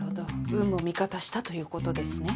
運も味方したということですね。